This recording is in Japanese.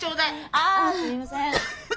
ああすいません。